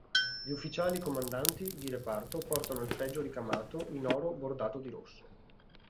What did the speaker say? Gli ufficiali comandanti di reparto portano il fregio ricamato in oro bordato di rosso.